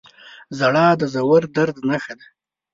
• ژړا د ژور درد نښه ده.